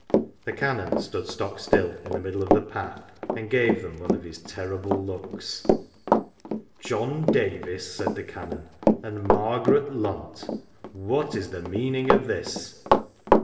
The Canon stood stock still in the middle of the path and gave them one of his terrible looks. " John Davis," said the Canon, " and Margaret Lunt, what is the meaning of this